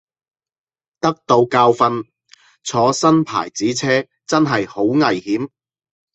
得到教訓，坐新牌子車真係好危險